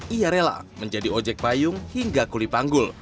ia rela menjadi ojek payung hingga kulipanggul